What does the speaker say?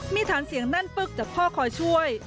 มีฐานเสียงแน่นปึ๊กจากพ่อคอยช่วย